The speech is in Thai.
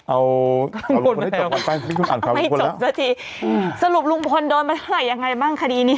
เอาลุงพลไปแล้วไม่จบซะทีสรุปลุงพลโดนมาเท่าไหร่ยังไงบ้างคดีนี้